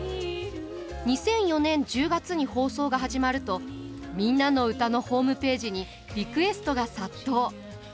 ２００４年１０月に放送が始まると「みんなのうた」のホームページにリクエストが殺到。